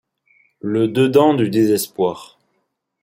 Le dedans du désespoir